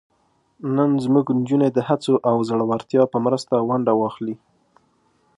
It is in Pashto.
نن زموږ نجونې د هڅو او زړورتیا په مرسته ونډه واخلي.